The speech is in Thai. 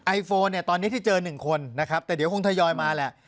ไอโฟนเนี่ยตอนนี้ที่เจอ๑คนนะครับแต่เดี๋ยวคงทยอยมาแหละ